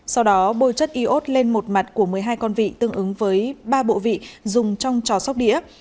sau đó bôi chất iốt lên một mặt của một mươi hai con vị tương ứng với ba bộ vị dùng trong trò sóc đĩa